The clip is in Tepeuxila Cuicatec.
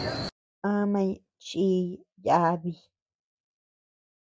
Amañ chiʼiy yabi.